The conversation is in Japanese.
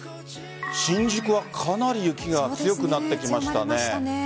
新宿はかなり雪が強くなってきましたね。